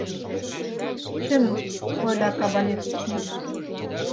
Чын, ойла Кабалевский.